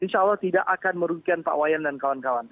insya allah tidak akan merugikan pak wayan dan kawan kawan